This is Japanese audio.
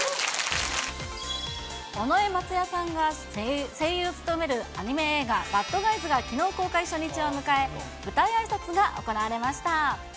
尾上松也さんが声優を務めるアニメ映画、バッドガイズがきのう、公開初日を迎え、舞台あいさつが行われました。